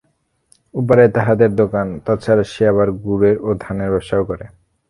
ও-পাড়ায় তাহার দোকান, তা ছাড়া সে আবার গুড়ের ও ধানের ব্যবসাও করে।